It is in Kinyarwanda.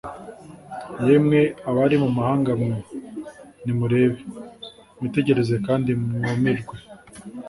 “yemwe abari mu mahanga mwe, ni murebe, mwitegereze kandi mwumirwe,